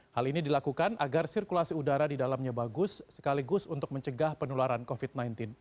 hal ini dilakukan agar sirkulasi udara di dalamnya bagus sekaligus untuk mencegah penularan covid sembilan belas